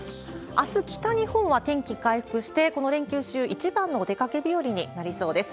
あす、北日本は天気回復して、この連休中、一番のお出かけ日和になりそうです。